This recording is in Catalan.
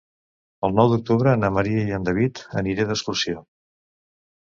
El nou d'octubre na Mira i en David aniré d'excursió.